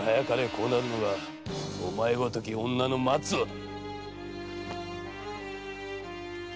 こうなるのがお前ごとき女の末路だ！